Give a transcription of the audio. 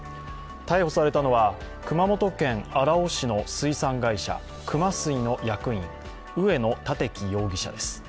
逮捕されたのは熊本県荒尾市の水産会社、熊水の役員、植野樹容疑者です。